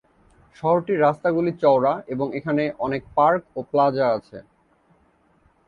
শহরটির রাস্তাগুলি চওড়া এবং এখানে অনেক পার্ক ও প্লাজা আছে।